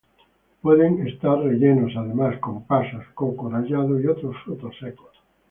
Pueden estar rellenos, además, con pasas, coco rallado, y otros frutos secos.